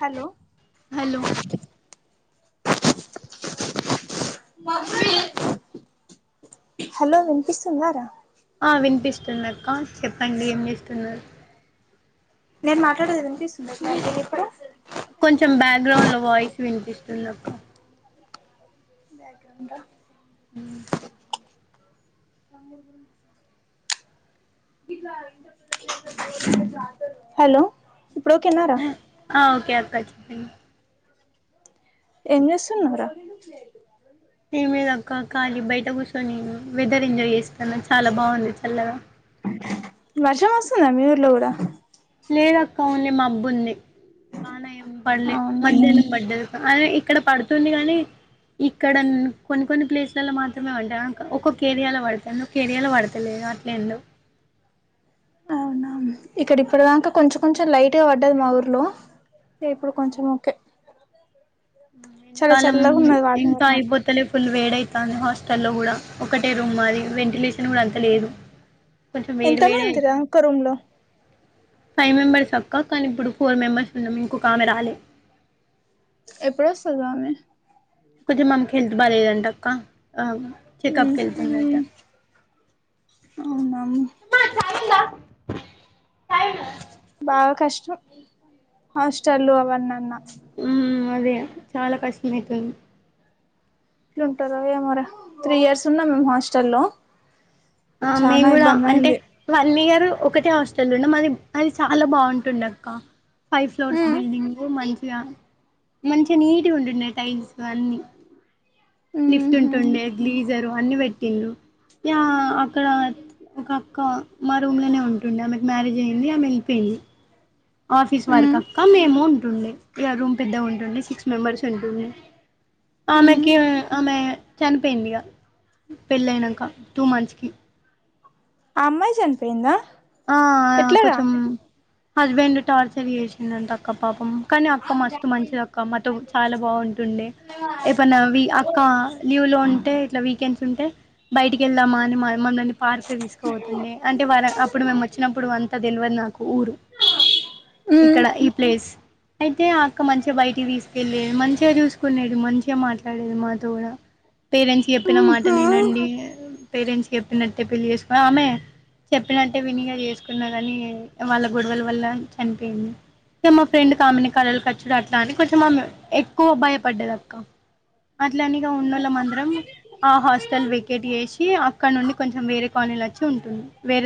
Hello hello hello వినిపిస్తుందారా ఆ వినిపిస్తుంది అక్క చెప్పండి ఏం చేస్తున్నారు నేను మాట్లాడేది వినిపిస్తుంద సార్ నే ఇప్పుడు కొంచెం బ్యాక్గ్రౌండ్ లో వాయిస్ వినిపిస్తుంది అక్క బ్యాక్గ్రౌండా అ [unintelligible] హలో ఇప్పుడు ఓకేనార హా ఓకే అక్క ఎంచేస్తున్నావ్ రా ఏం లేదు అక్క ఖాలీ బయట కూర్చొని వెదర్ ఎంజాయ్ చేస్తానా చాలా బాగుంది చల్లగా వర్షం వస్తుందా మీ ఊర్లో కూడా లేదక్క ఓన్లీ మబ్బుంది పల్లే అవును మద్యలో పడ్డది అదే ఇక్కడ పడుతుంది గాని ఇక్కడ కొన్ని కొన్ని ప్లేస్లలో మాత్రమే పడ్డదా ఒక్కొక్క ఏరియాలో పడుతంది ఏరియాలో పడతలే అట్లా ఏందో అవునా ఇక్కడ ఇప్పుడదంకా కొంచెం కొంచెం లైట్ గా పడ్డది మా ఊర్లో ఓకే ఇప్పుడు కొంచెం అవునా ఓకే చాలా చల్లగా ఉన్నది వాతావరణం అసలే ఫుల్ వేడ అవుతుంది హాస్టల్లో కూడా ఒకటే రూమ్ మాది వెంటిలేషన్ కూడా అంత లేదు కొంచం ఎంత వేడి వేడే మందిరా ఒక్క రూమ్ లో ఫైవ్ మెంబర్స్ అక్క కానీ ఇప్పుడు ఫోర్ మెంబర్స్ ఉన్నాం ఇంకొకామె రాలే ఎప్పుడు వస్తాది అమె కొంచెం ఆమెకి హెల్త్ బాగాలేదంట అక్క చెకప్కి వెళ్తుంది అంట అవునామ్ బాగా కష్టం హాస్టల్ అవన్నాన్న ఉమ్ అదే చాలా కష్టం అయితది ఎట్లుంటారు ఏమోరే త్రీ ఇయర్స్ ఉన్నా మేము హాస్టల్ లో ఆ మేమ్ కూడా అంటే వన్ ఇయర్ ఒకటే హాస్టల్ ఉండమంది అది చాలా బాగుంటుండ అక్క ఫైవ్ ఫ్లోర్స్ ఉమ్ బిల్డింగ్ మంచిగా మంచి నీట్ గా ఉంటుండే టైమ్స్ అన్నీ లిఫ్ట్ ఉహు ఉంటుండే గ్లీజరు అన్ని పెట్టిండు యా అక్కడ ఒక అక్క మా రూమ్ లోనే ఉంటుంది ఆమె మ్యారేజ్ అయి వెళ్ళిపోయింది ఆఫీస్ వర్క్ ఉమ్ అక్క మేము ఉంటుండే ఈ రూమ్ పెద్దగా ఉంటుండే సిక్స్ మెంబర్స్ ఉంటుంది ఉమ్ ఆమెకి ఆమె చనిపోయింది గా పెళ్లయినాక టూ మంత్స్ కి ఆ అమ్మాయి చనిపోయిందా ఆ ఎట్లరా కొంచెం హస్బెండ్ టార్చర్ చేసిండు అంట అక్క పాపం కానీ అక్క మస్తు మంచిది అక్క మాతో బాగా చాలా బాగుంటుండే ఏమన్నా అవి ఆయా లీవ్ లో ఉంటే ఇట్లా వీకెండ్స్ ఉంటే బయటికి వెళ్దామా అని మా పార్క్కి తీసుకుపోతుంటే అంటే వారు అప్పుడు వారు మేము వచ్చినప్పుడు అంత తెల్వదు నాకు ఊరు ఉమ్ ఇక్కడ ఈ ప్లేస్ అయితే ఆ అక్క మంచిగా బయటికి తీసుకెళ్లేది మంచిగా చూసుకునేడు మంచిగా మాట్లాడు అదే అనేది మాతో కూడా పేరెంట్స్ చెప్పిన మాట ఉహు వినండి పేరెంట్ చెప్పినట్టు పెళ్లి చేసుకుంది ఆమె నేనంటే విని చేసుకున్నా కాని వాళ్ళ గొడవల వల్ల చనిపోయింది మా ఫ్రెండ్ కామెని కలలు ఖర్చుడు అట్లా అని కొంచెం ఎక్కువ భాయపడ్డద అక్క అట్లన్నీగా ఉన్నోళ్లందరం ఆ హాస్టల్ వెకేట్ చేసి అక్కడ నుంచి వేరే కాలనీలో ఉంటున్నాం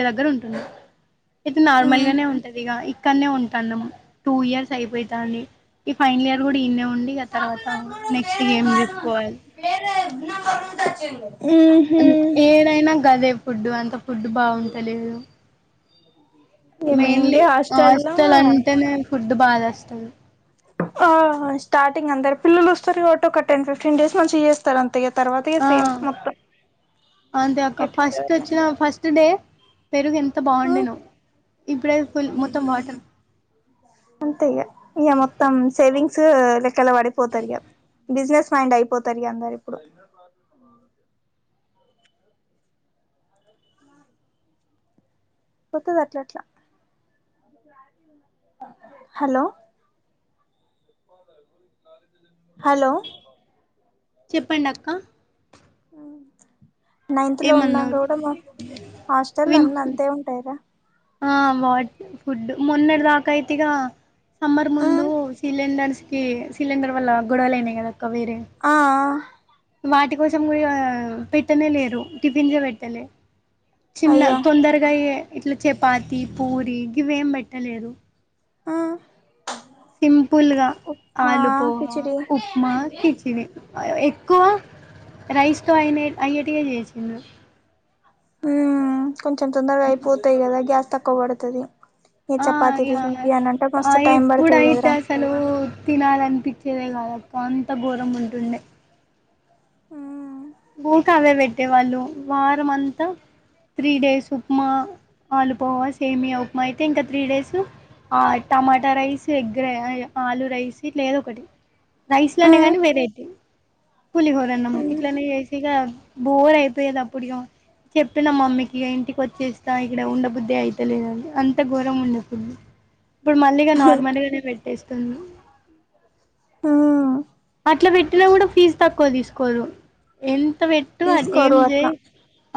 దగ్గరుండి ఇంకా ఉమ్ నార్మల్గానే ఉంటుంది కదా ఇక్కడే ఉంటున్నాము టూ ఇయర్స్ అయిపోతాంది ఫైనల్ ఇయర్ కూడా ఈడే ఉండి తరువాత నెక్స్ట్ ఏం తీసుకోవాలి వేరే నెంబర్ ఉంటాది చూడు యూ ఏడైనా గదే ఫుడ్ బాగుంటుంది అంత ఫుడ్ బాగుంటలేదు ఇగ మెయిన్లీ హాస్టల్లో హాస్టల్ అంటేనే ఫుడ్ బాదేస్తుంది ఆ స్టార్టింగ్ అందరు పిల్లలు వస్తారు కాబట్టి ఒక్క టెన్ ఫిఫ్టీన్ డేస్ నుంచి [inaudible] అంత తర్వాత ఆ సేమ్ మొత్తం అంతే అక్క ఎ ఫస్ట్ వచ్చిన [unintelligible] పెరుగు ఎంత బాగుండేనో ఇప్పుడే ఫుల్ మొత్తం వాటర్ అంతే ఇగ ఇక మొత్తం సేవింగ్స్ లెక్కలా పడిపోతారు ఇక బిజినెస్ మైండ్ అయిపోతారు ఇగ అందరూ ఇప్పుడు ఉ [inaudible] కొత్తది అట్లట్లా [inaudible] హలో ా [inaudible] హలో చెప్పండక్క నైన్త్ లో ఉన్నాగా ఏమన్నారు కూడా హాస్టల్ విన్ లన్ని అంతే ఉంటాయిగా ఆ వాట్ ఫుడ్ మొన్నటి దాకాయితే ఇక సమ్మర్ ముందు ఉమ్ సిలిండర్స్ కి సిలింగర్ వల్ల గొడలుయినాయి కదాక్కా వేరే ఆ ఆ వాటి కోసం కూడా ఇగ పెట్టనే లేరు టిఫిన్స్ ఎ కూడా పెట్టలేదు చిన్న అయ్యో తొందరగా అయ్యె ఇట్లా చపాతి పూరి గివేం పెట్టలేదు ఆ సింపుల్ గా ఆలు పోహ కిచిడి ఉప్మా కిచిడి [unintelligible] ఎక్కువ రైస్ తో అయినే అయ్యేటివే చేసిన్రు ఉమ్ కొంచెం తొందరగా అయిపోతాయి కదా గ్యాస్ తక్కువ పడతాది ఆ ఇగ ఆమె ఆ టైం పడుతది ఇప్పుడయితే కదరా అసల్ లు తినాలనిపించేదే కాదక్క అంతఘోరం ఉంటుండే ఉమ్ ఊకే అవే పెట్టేవాళ్ళు వారం అంతా త్రీ డేస్ ఉప్మా ఆలుపోవా సేమియా ఉప్మా అయితే ఇంకా త్రీ డేసు ఆ టమాటా రైస్ ఎగ్గరే ఆలుూ రైస్ ఇట్లా ఏదో ఒకటి రైస్ లోనే ఉమ్ గాని వెరైటీ పులిహోరన్నం ఇట్లనే ఇగ బోర్ అయిపోయేది అప్పుడు ఇగ చెప్పిన మమ్మీకి ఇగ ఇంటికి వచ్చేస్తా ఇక్కడ ఉండబద్ద్దే అయితేలేదనీ అంత ఘోరంగా ఉండే ఫుడ్ ఇప్పుడు మళ్ళీగా నార్మల్ గానే పెట్టేస్తున్రు ఆ అట్లా పెట్టినా కూడా ఫీజు తక్కువ తీసుకోదు ఎంత వేట్ ట్టు అ ఏం తీసుకోరు చే అట్లా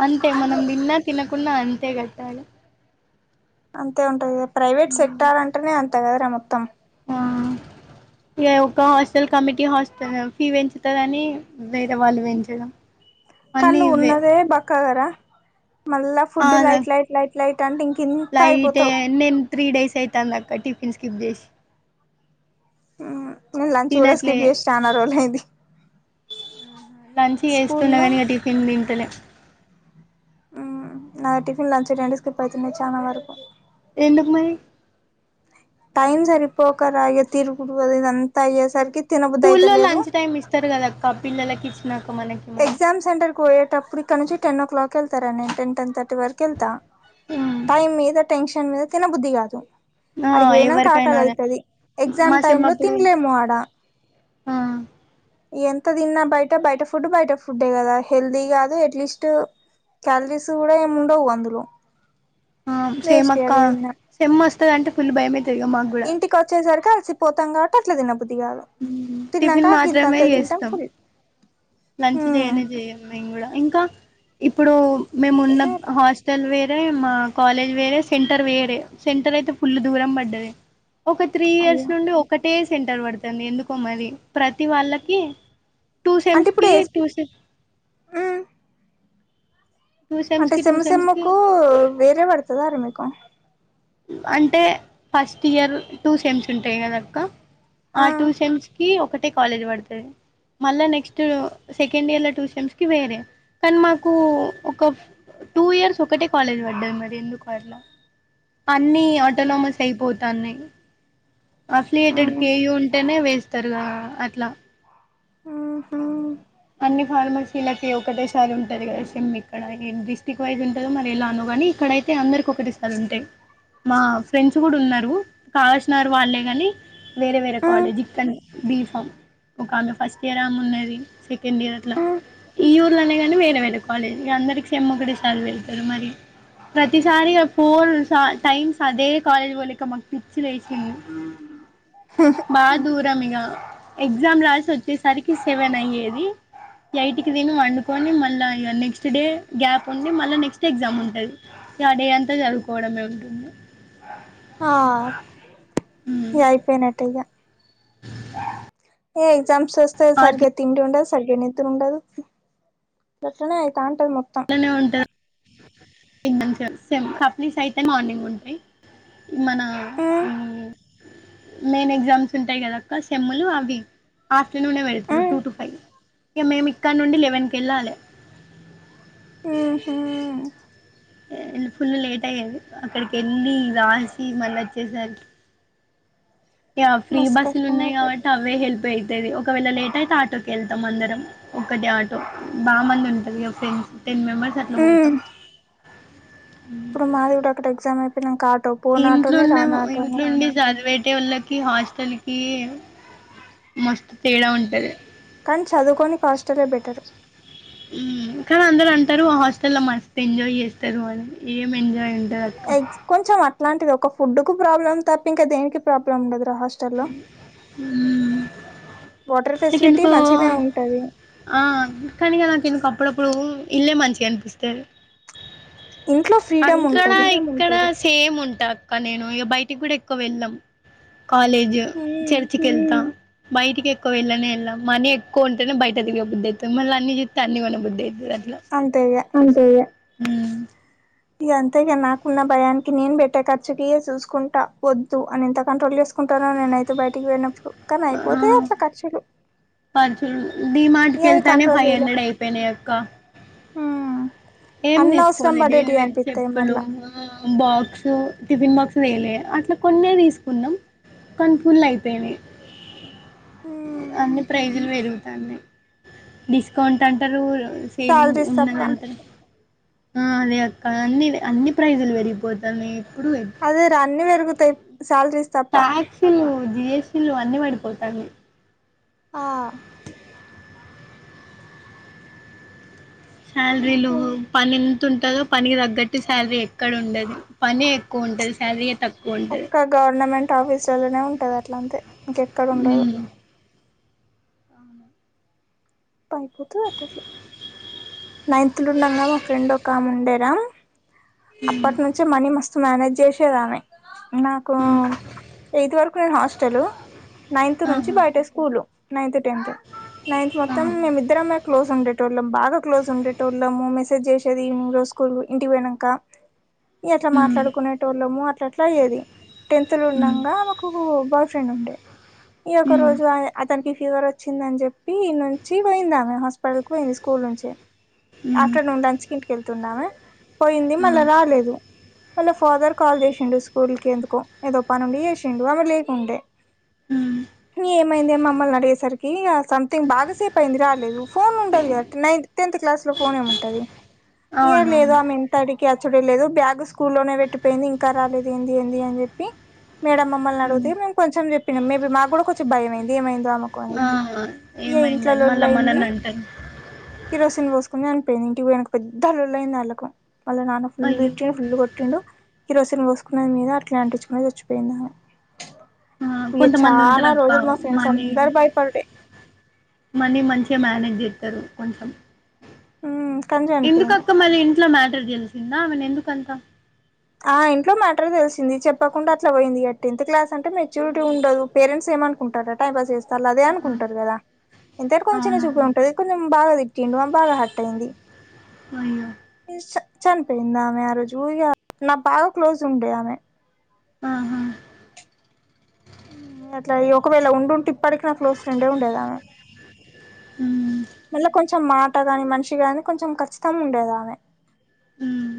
అంతే మనం తిన్నా తినకుండా అంతే కట్టాలే అంతే ఉంటుంది కదా ప్రైవేట్ ఉమ్. సెక్టార్ అంటేనే అంతే కదరా మొత్తం ఆ ఇగ ఒక హాస్టల్ కమిటీ హాస్టల్ ఫీ పెంచుతాదాని వేరే వాళ్ళు పెంచడం కానీ అన్నీ నువ్వు ఇవ్వే ఉన్నదే బక్కాగార మళ్ళా ఆ food light light light light అంటే ఇంక ఇంత లైట్ అయిపోతావ్ నేను త్రీ డేస్ అయితంది అక్క టిఫిన్ స్కిప్ చేసి ఉ లంచ్ కూడా తినట్లే స్కిప్ చేసి చానా రోలైంది లంచ్ చేస్తున్నాగానిక టిఫిన్ తింటలే ఉమ్ నాది టిఫన్ లంచ రెండు స్కిప్ అయితునై చానా వరకు ఎందుకు మరి టైమ్ సరిపోకరా ఇగ తిరుగుడు అది ఇది అంత అయ్యే సరికి స్కూల్లో లంచ్ టైమ్ ఇస్తారు కదా అక్క పిల్లలకి ఇచ్చినాక మనకి మరి గ్జామ్ సెంటర్ వోయేటప్పుడుక్కడి నుంచి టెన్ ఓ్లాక్ వెళ్తారా నే టెన్ టెన్ థటీ వరకు వెళ్తా ఉమ్. టైమ్ మీద టెన్షన్ మీద తినబుద్ధి కాదు ఆ అడిగిపోయినంక ఆకలి ఎవరికైనా అదే అయితది ఎగ్జామ్ మా టైమ్ సెమ్ లో అప్పుడు తినలేము ఆడ ఆ ఇగ ఎంత తిన్నా బయట బయట ఫుడ్ బయట ఫుడ్డే కదా హెల్దీ కాదు ఎట్లీస్ట్ క్యాలరీస్ కూడా ఎమ్ ఉండవు అందులో ఆ వేస్ట్ సేమక్క అవి తిన్నా సేమ్ వస్తది అంటే ఫుల్ భయమేతది ఇగ మాక్ ఇంటికి వచ్చేసరికి అలసిపోతాం కాబట్టి అట్ల తినబుద్ది కాదు టిఫిన్ తిన్నాక గింత మాత్రమే అంత తింటాం చేస్తాం ఫుల్ లంచ్ ఉమ్ చేయనే చేయము మేము కూడా ఇంకా ఇప్పుడు మేము ఉన్న అదే అట్లా హాస్ట్ స్టల్ వేరే మా కాలేజ్ వేరే సెంటర్ వేరే సెంటర్ అయితే ఫుల్ దూరం పడ్డది ఒక త్రీ ఇయర్స్ అయ్యో నుండి ఒకటే సెంటర్ పడుతుంది ఎందుకో మరి ప్రతి వాళ్ళకి టూ అంటే సెమ్స్ ఇప్పుడు కి ఏస్ టూ సే ఉమ్ టూ సెమ్స్ అంటే కి టూ సేమ్ సేమ్ సెమ్స్ కి కు వేరే పడతదా రా మీకు అంటే ఫస్ట్ ఇయర్ టూ సేమ్స్ ఉంటాయి కదక్క ఆ టూ సేమ్స్ కి ఒకటే కాలేజ్ పడతది మళ్ళా నెక్స్ట్ సెకండ్ ఇయర్లో టు సేమ్స్కు వేరే కానీ మాకు ఒక టూ ఇయర్స్ ఒకటే కాలేజ్ పడ్డది మరి ఎందుకో అట్లా అన్ని ఉమ్ ఆటోనమస్ అయిపోతాన్నాయ్ అఫిలియేటెడ్ ఉమ్ కేయు ఉంటేనే వేస్తారు గా అట్లా ఆహా అన్ని ఫార్మసీలకి ఒకటేసారి ఉంటది కదా సేమ్ ఇక్కడ డిస్టిరిక్ట్ వైజ్ ఉంటదో మరి ఎలానో గానీ ఇక్కడై అయితే అందరికి ఒకటి స్థలు ఉంటాయి మా ఫ్రెండ్స్ కూడా ఉన్నారు కావాల్సినారు వాళ్ళే గని వేరే వేరే ఉమ్ కాలేజ్ ఇక్కనే బీఫం ఒక ఆమె ఫస్ట్ ఇయర్ ఆమె ఉన్నది సే కేండిర్ అట్లా ఈ ఊర్లోనే గానీ వేరే వేరే కాలేజ్ ఇగ అందరికి సేమ్ ఒకటే స్టార్ట్ చేస్తారు మరి ప్రతిసారి ఇగ పోల్ స టైమ్స్ అదే కాలేజ్ పోనీక మకు పిచ్చి లేచింది బా దూరం ఇగ ఎగ్జామ్ రాసి వచ్చేసరికి సెవెన్ అయ్యేది ఎయిట్కి తిని వండుకొని మళ్ళా ఇగ నెక్స్ట్ డే గ్యాప్ ఉండి మళ్ళా నెక్స్ట్ ఎగ్జామ్ ఉంటది అ డే అంతా చదువుకోవడమే ఉంటుంది ఆ ఇగా అయిపోయినట్టే ఇగా ఆ ఏ ఎగ్జామ్స్ వస్తే సరిగే తిండి ఉండదు సరిగ్గా నిద్ర ఉండదు గాట్లనే అయితాంటది మొత్తం అట్లనే ఉంట [unintelligible] సేమ్ సప్లీస్ అయితే మార్నింగ్ ఉంటాయ్ మన ఉమ్ హ్మ్ మెయిన్ ఎగ్జామ్స్ ఉంటాయి కదక్క సెమ్లు అవి ఆఫ్టర్నూన్ ఏ పేడతరు ఉమ్ టూ టు ఫైవ్ ఇంక మేము ఇక్కడ నుండి లెవెన్ కి వెళ్ళాలే హ్మ్ హు ఫుల్ లేట్ అయ్యాది అక్కడికి వెళ్ళి రాసి మళ్ళా వచ్చేసర్ ఇగ ఫ్రీ మస్తు బస్సులు కష్టం ఉన్నాయి అయితది కాబట్టి అవే హెల్ప్ అయితది ఒకవేళ లేట్ అయితే ఆటోకి వెళ్తాం అందరం ఒకటే ఆటో బా మంది ఉంటది ఫ్రెండ్స్ టెన్ మెంబర్స్ అట్లా పోతాం ఉమ్ ఇప్పుడు మాది కూడా అక్కడ ఎగ్జామ్ అయిపోయినక ఆటో పోనాటోనే ఇంట్లుండే రానాటోనే ఇంట్లుండి చదివేతోటోళ్ళక్ కి హాస్టల్ కి మస్తు తేడా ఉంటది కానీ చదువుకొనికి హాస్టలే బెటర్ హ్మ్ కానీ అందరు అంటారు ఆ హాస్టల్ లో మస్త్ ఎంజాయ్ చేస్తారు అని ఏం ఎంజాయ్ ఉ ఎక్స్ కొంచెం అట్లాంటిది ఒక ఫుడ్ కు ప్రాబ్లం తప్ప ఇంకా దేనికి ప్రాబ్లం ఉండదు రా హస్ హ్మ్ వాటర్ ఫెసిలిటీ మంచిగ్ నే ఉంటదీ ఆ కనీ ఇగ నాక్ ఇందుక్ అప్పుడప్పుడూ ఇల్లే మంచిగనిపిస్తది ఇంట్లో ఫ్రీడమ్ అంకడా ఉంటది ఇంక్ ఇక్కడా సేమ్ ఉంటా అక్క నేనూ ఇగ బైటిక్ గుడ ఎక్కువ వెళ్ళం కాలేజు ఉమ్ చర్చికెళ్తాం బైటిక్ ఎక్కువ వెళ్ళనే వెళ్ళం మనీ ఎక్కువుంటేనే బైట తిరగ బుద్ధయ్తుంది మళ్ళ అన్ని జూత్తే అన్ని కొన బుద్ధయ్తది అట్ల అంతే ఇగ తే ఉమ్ ఇగ అంతేగ నాకున్న బయాన్కి నేన్ బెట్టే ఖర్చుకియ సూస్కుంటా వద్దు అని ఇంత కంట్రోల్ జేస్ కుంటనో నేనైతే బైటికి బోయినప్పుడు కానైపోతయ్ అట్ల కర్చులు కర్చుల్ డీ మార్ట్ అవి కెళ్తానే కంట్రోల్ ఫైవ్ అండ్రెడ్ ఐపోయినయ్ అక్కా హుమ్ ఏం దీస్కోలే డేలీ వేర్ చెప్పులు మళ్ళా బాక్సు టిఫిన్ బాక్స్ వేయలే అట్ల కొన్నే దీస్కున్నం కనీ ఫుల్ ఐపోయినయ్ ఉమ్ అన్ని ప్రైజుల్ పెరుగుతాన్నయ్ డిస్కౌంట్ అంటరూ సేలింగ్ సాలరీస్ తప్ప ఉన్నదంటరు ఆ అదే అక్కా అన్నీ అన్ని ప్రైజుల్ బెరిగిపోతన్నయ్ ఇప్పుడూ ఎప్ అదేరా అన్ని బెరుగుతయ్ శ్యాల్ రీస్ టాక్సీలూ జిఎస్టీలూ అన్ని బడిపోతన్న య్ ఆ శ్యాల్రీలు పనెంతుటదోప్ పనిగి తగ్గట్టు శ్యాల్ రీ ఎక్కడుండది పనే ఎక్కువ ఉంటది శాలరీ తక్కు ఒక్క గవర్నమెంట్ ఆఫీస్ లలోనే ఉంటద్ అట్ల అంతే ఇంకెక్కడుండదు ఉమ్, ఐపోతద్ అట్ల అట్లా నైన్త్ లో ఉండంగా మా ఫ్రెండ్ ఒకామ ఉండేరా అప్పట్ నుంచే మనీ మస్ తు మ్యానేజ్ జేసేదామే నాక్ ఉమ్, ఎయిత్ వరకు నేను హాస్టలు నైన్త్ నుంచి ఆహా బైట స్కూలు నైన్త్ టెన్త్ నైన్త్ మొత్తం ఆహా, మేమిద్దరమే క్లోజ్ ఉండేటోళ్ళం బాగ కో క్లోజ్ ఉండేటోళ్ళము మెసేజ్ జేసేది ఈవినింగ్ రోజ్ స్కూల్ ఇంటి పోయినాంక ఇ అట్లా ఉమ్, మాట్లాడుకునేటోళ్ళము అట్ల అట్లా అయ్యేదీ టెన్త్ లో ఉమ్, ఉండంగా మాకు కూ బాయ్ ఫ్రెండ్ ఉండే ఈ ఒక ఉమ్, రోజుఆయ్ అతనికి ఫీవర్ వచ్చిందన్ జెప్పీ ఈన్నుంచీ బోయిందామె హాస్పి పడుకో యింది స్కూల్ నుంచే ఉమ్, ఆఫ్టర్నూన్ లంచ్ కింటి కెల్తుందామే పోయింది ఆ, మళ్ళ రాలేదు వాళ్ళ ఫాదర్ కాల్ జేసిండు స్కూల్ కే ఎందుకో ఏదో పని ఉండి జేసిండు ఆమె లేకుండే ఉమ్, ఏమైంది మమ్మల్నే అడిగేసరికీ ఇగ సంథింగ్ బాగాసేప్ అయింది రాలేదు ఫోన్లుంటది గదట్ నైన్త్ టెన్త్ క్లాస్ లో ఫోన్ ఏం ఉంటది ఇయర్ లేదు అవునవును ఆమె తడికి అచ్చుడే లేదు బ్యాగు స్కూల్లోనే బెట్టిపోయింది ఇంకా రాలేదు ఏందీ ఏందీ అన్జెప్పీ మేడం మమ్మల్ ఉమ్, నడుగుతే మేం కొంచెం జెప్పినం మేబీ మాక్ గుడ కొంచెం భయంమైంది ఏమైందో ఆమకు అన్ ఆ జెప్పి ఏ ఇంట్లో లొల్ళయిందీ టన్ కిరోసిన్ బోస్కుని చనిబోయింది ఇంటిక్ పోయినాక్ పెద్ధ లొల్లయిందాళ్ళకు వాళ్ళ నాన్న ఫుల్ అయ్యో దిట్టి ఫుల్ కొట్ కొట్టిండు కిరోసిన్ బోస్కున్నది మీదా అట్లా అంటిచ్కునే సచ్చిపోయిందామె ఆ, ఇగా కొంతమంది చానా ఉంటారు అక్క రోజులు మా ఫ్రెండ్స్ అందరు భయపడుడే మళ్ళీ మంచిగా మేనేజ్ చేస్తారు కొంచెం ఉమ్ కానీ చనిపోయింది ఎందుకక్క మళ్ళీ ఇంట్ల మ్యాటర్ తెలిసిందా అమెను ఎందుకంతా ఆ ఇంట్లో మ్యాటర్ తెలిసింది చెప్పకుండా అట్లా పోయింది ఇగ టెన్త్ క్లాస్ అంటే మెచ్యూరిటీ ఉండదు పేరెంట్స్ ఏమనుకుంటారా టైం పాస్ చేస్తాలు అదే ఆ అనుకుంటారు కదా ఎంతైనా కొంచెం చిన్న చూపే అవునవును టది కొంచెం బాగా తిట్టిండు ఆమె బాగా హట్ అయింది అయ్యో చనిపోయిందామె ఆ రోజు ఇగ నా బాగా క్లోజ్ ఉండే ఆమె ఆహా అట్లా ఒకవేళ ఉండుంటే ఇప్పటికి నా క్లోజ్ ఫ్రెండే ఉండేదామె హ్మ్ మళ్ళా కొంచెం మాట గాని మనిషి గాని కొంచెం ఖచ్చితం ఉండేది ఆమె హ్మ్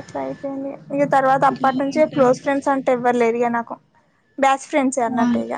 అట్ల అయిపేయింది ఇగ తర్వాత అప్పటి నుంచే ఇంకేంటది క్లోజ్ ఫ్రెండ్స్ అంటే ఎవ్వరు లేరు ఇగ నాకు బ్యాచ్ ఫ్రెండ్స్ అన్నట్టు అవును ఇక